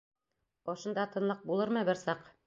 Ошонда тынлыҡ булырмы бер саҡ?!.